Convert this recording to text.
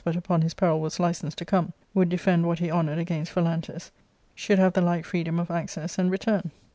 ut upon his peril was licensed to come —would defend what he honoured against Phalantus should have the like freedom of access and return.